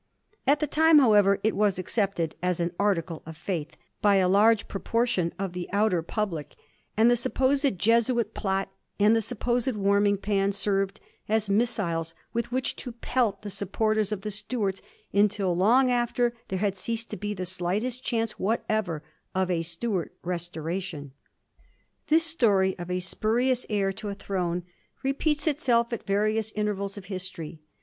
At the time, however, it was accepted as an article of faith by a large proportion of the outer public ; and the supposed Jesuit plot and the supposed warming pan served as missiles with which to pelt the supporters of the Stuarts, until long after there had ceased to be the slightest chance whatever of a Stuart restoration. This story of a spurious heir to a throne repeats Digiti zed by Google 14 A HISTORY OF THE FOUR GEORGES. oh. l itself at various intervals of history.